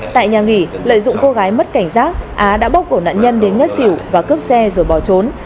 tại nhà nghỉ lợi dụng cô gái mất cảnh giác á đã bốc cổ nạn nhân đến ngất xỉu và cướp xe rồi bỏ trốn